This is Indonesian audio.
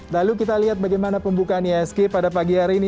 lalu kita lihat bagaimana pembukaan isg pada pagi hari ini